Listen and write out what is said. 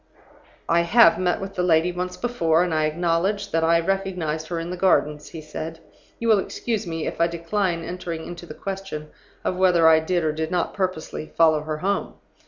"'I have met with the lady once before, and I acknowledge that I recognized her in the Gardens,' he said. 'You will excuse me if I decline entering into the question of whether I did or did not purposely follow her home.